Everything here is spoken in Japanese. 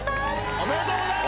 おめでとうございます！